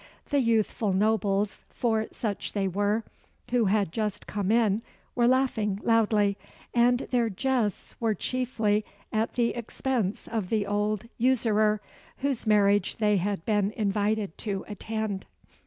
The youthful nobles for such they were who had just come in, were laughing loudly; and their jests were chiefly at the expense of the old usurer, whose marriage they had been invited to attend.